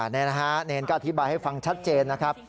นี่นะฮะเนรก็อธิบายให้ฟังชัดเจนนะครับ